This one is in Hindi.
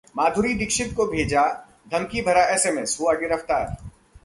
माधुरी दीक्षित को भेजा धमकी भरा एसएमएस, हुआ गिरफ्तार